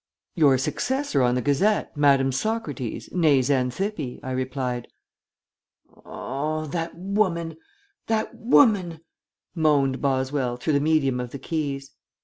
"Your successor on the Gazette, Madame Socrates, nee Xanthippe," I replied. "Oh, that woman that woman!" moaned Boswell, through the medium of the keys.